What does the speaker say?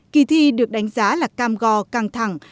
kỳ thi được đánh giá là cam go căng thẳng